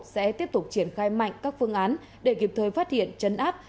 sẽ tiếp tục triển khai mạnh các phương án để kịp thời phát hiện chấn áp